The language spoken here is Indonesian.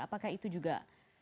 apakah itu juga